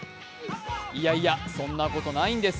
いやいや、そんなことないんです。